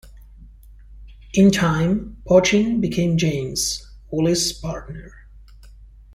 In time Pochin became James Woolley's partner.